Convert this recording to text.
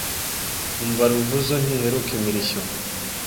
Umva Ruvuzo ntiheruka imirishyo